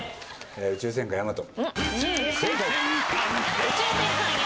『宇宙戦艦ヤマト』正解。